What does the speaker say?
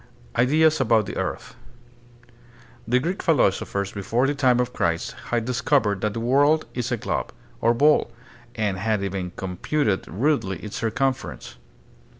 Ideas about Hie Earth. The Greek philosophers be fore the time of Christ had discovered that the world is a globe, or ball, and had even computed rudely its circum ference.